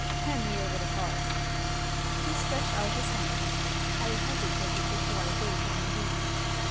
Hand me over the cards." He stretched out his hand. I hesitated before I gave him these.